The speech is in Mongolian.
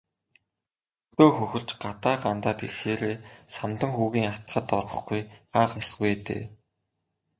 Хөдөө хөхөрч, гадаа гандаад ирэхээрээ Самдан хүүгийн атгад орохгүй хаа гарах вэ дээ.